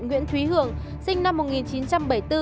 nguyễn thúy hưởng sinh năm một nghìn chín trăm bảy mươi bốn